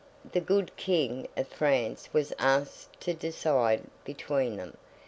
The good King of France was asked to decide between them.